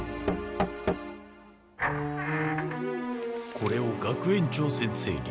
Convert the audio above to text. これを学園長先生に。